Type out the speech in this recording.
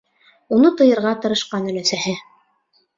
Уны тыйырға тырышҡан өләсәһе: